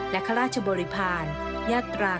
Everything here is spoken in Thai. และข้าราชบริพาณยาตรา